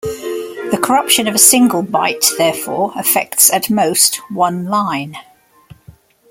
The corruption of a single byte therefore affects at most one line.